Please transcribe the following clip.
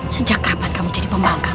sejak kapan kamu jadi pembangkang